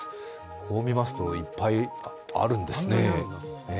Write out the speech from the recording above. こう見ますといっぱいあるんですね。